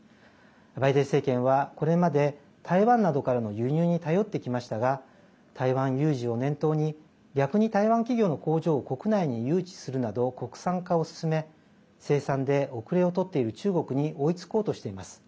バイデン政権はこれまで台湾などからの輸入に頼ってきましたが台湾有事を念頭に逆に台湾企業の工場を国内に誘致するなど国産化を進め生産で後れを取っている中国に追いつこうとしています。